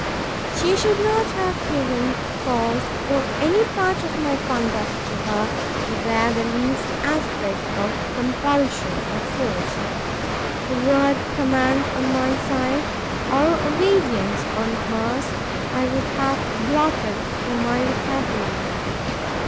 She should not have given cause for any part of my conduct to her to wear the least aspect of compulsion or force. The word command, on my side, or obedience on hers, I would have blotted from my vocabulary.